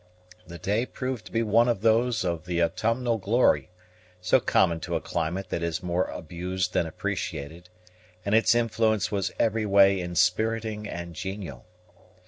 The day proved to be one of those of the autumnal glory, so common to a climate that is more abused than appreciated, and its influence was every way inspiriting and genial.